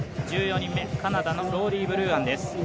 １４人目、カナダのローリー・ブルーアンです。